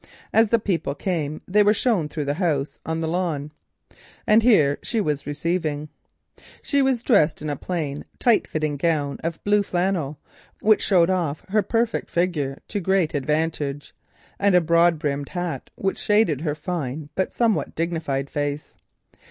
As the people came they were shown through the house on to the lawn, and here she was receiving them. She was dressed in a plain, tight fitting gown of blue flannel, which showed off her perfect figure to great advantage, and a broad brimmed hat, that shaded her fine and dignified face.